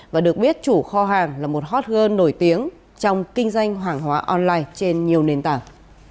và được biết chủ kho hàng là một hot girl nổi tiếng trong kinh doanh hàng hóa online trên nhiều nền tảng